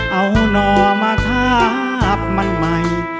เอานอมาทาบมันใหม่